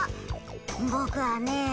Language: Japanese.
僕はね